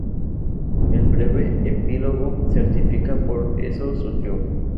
El breve epílogo certifica por eso su triunfo".